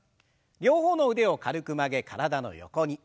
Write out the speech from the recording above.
両方の腕を軽く曲げ体の横に。